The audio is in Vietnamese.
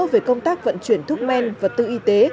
về công tác vận chuyển thuốc men và tư y tế